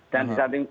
dan disamping itu